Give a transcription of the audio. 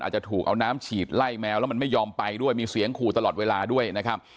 อาจจะถูกเอาน้ำฉีดไล่แมวแล้วมันไม่ยอมไปด้วยมีเสียงขู่ตลอดเวลาด้วยนะครับ